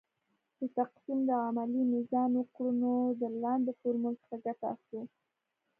د تقسیم د عملیې میزان وکړو نو د لاندې فورمول څخه ګټه اخلو .